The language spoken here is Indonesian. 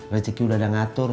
rezeki udah ada ngatur